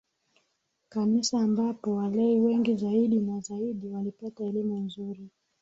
Kanisa ambapo walei wengi zaidi na zaidi walipata elimu nzuri